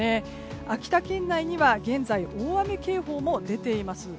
秋田県内には現在大雨警報も出ています。